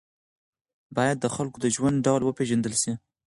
باید د خلکو د ژوند ډول وپېژندل سي.